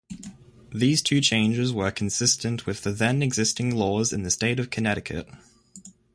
These two changes were consistent with the then-existing laws in the state of Connecticut.